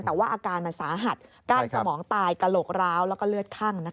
แต่ว่าอาการมาสหาดกากสมองตายกลโลกราลแล้วเลือดข้าง